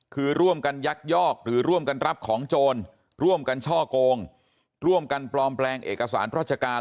คือร่วมกันยักยอกหรือร่วมกันรับของโจรร่วมกันช่อกงร่วมกันปลอมแปลงเอกสารราชการ